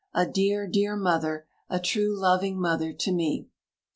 a dear, dear mother a true, loving mother to me."